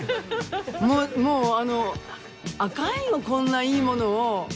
もうあのアカンよこんないいものを。